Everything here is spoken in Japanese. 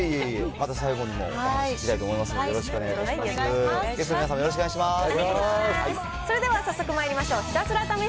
また最後にもお話聞きたいと思いますので、よろしくお願いいたしお願いします。